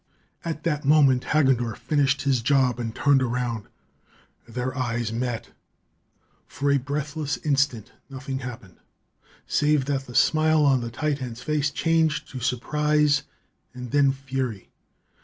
At that moment, Hagendorff finished his job and turned around. Their eyes met. For a breathless instant nothing happened, save that the smile on the titan's face changed to surprise and then fury.